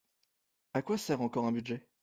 À quoi sert encore un budget?